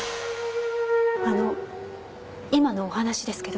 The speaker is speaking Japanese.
あの今のお話ですけど。